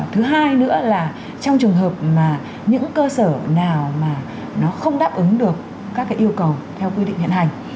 thứ hai nữa là trong trường hợp mà những cơ sở nào mà nó không đáp ứng được các yêu cầu theo quy định hiện hành